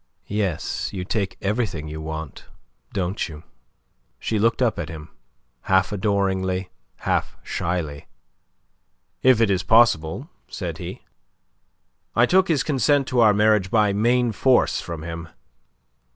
"Yes, you take everything you want, don't you?" She looked up at him, half adoringly, half shyly. "If it is possible," said he. "I took his consent to our marriage by main force from him.